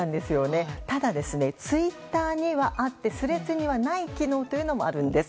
ただ、ツイッターにはあってＴｈｒｅａｄｓにはない機能もあるんです。